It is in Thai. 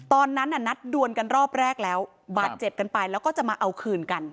ตอนนั้นน่ะนัดดวนกันรอบแรกแล้วบาดเจ็บกันไปแล้วก็จะมาเอาคืนกัน